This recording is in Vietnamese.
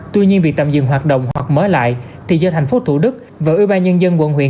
tuy nhiên việc tạm dừng hoạt động hoặc mở lại thì do tp thủ đức và ubnd quận huyện